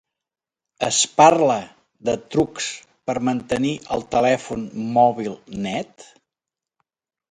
Es parla de trucs per mantenir el telèfon mòbil net?